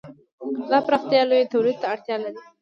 دا پراختیا لوی تولید ته اړتیا لري.